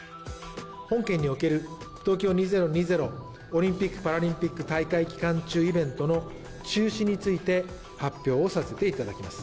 本県における東京２０２０オリンピック・パラリンピック大会期間中イベントの中止について、発表をさせていただきます。